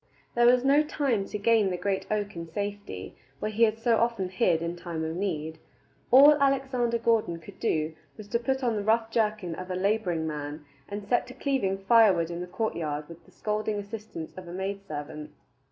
There was no time to gain the great oak in safety, where he had so often hid in time of need. All Alexander Gordon could do was to put on the rough jerkin of a laboring man, and set to cleaving firewood in the courtyard with the scolding assistance of a maid servant.